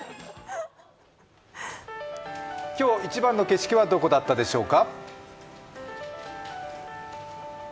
今日一番の景色はどこだったでしょうか？